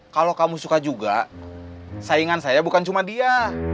kalau kamu suka juga saingan saya bukan cuma dia